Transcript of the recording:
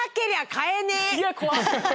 いや怖っ！